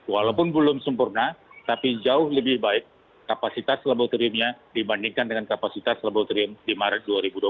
walaupun belum sempurna tapi jauh lebih baik kapasitas laboratoriumnya dibandingkan dengan kapasitas laboratorium di maret dua ribu dua puluh